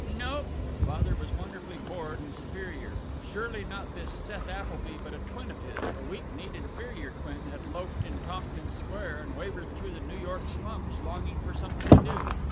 "Nope." Father was wonderfully bored and superior. Surely not this Seth Appleby but a twin of his, a weak kneed inferior twin, had loafed in Tompkins Square and wavered through the New York slums, longing for something to do.